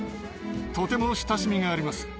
とても親しみがあります。